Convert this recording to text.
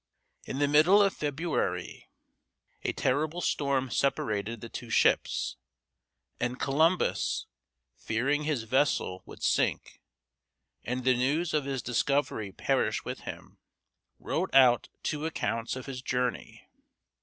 In the middle of February a terrible storm separated the two ships, and Columbus, fearing his vessel would sink, and the news of his discovery perish with him, wrote out two accounts of his journey.